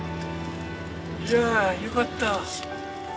いやぁよかったぁ。